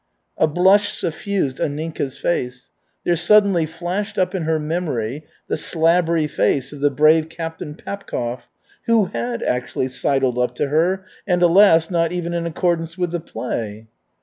A blush suffused Anninka's face. There suddenly flashed up in her memory the slabbery face of the brave Captain Papkov, who had actually "sidled up to her" and, alas! not even in accordance with the play.